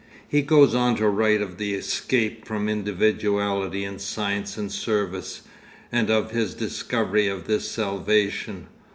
He goes on to write of the escape from individuality in science and service, and of his discovery of this 'salvation.